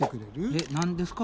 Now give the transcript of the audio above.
えっ何ですか？